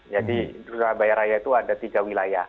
jadi surabaya raya itu ada tiga wilayah